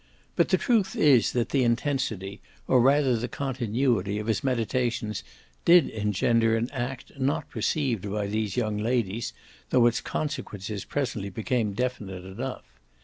But the truth is that the intensity, or rather the continuity, of his meditations did engender an act not perceived by these young ladies, though its consequences presently became definite enough.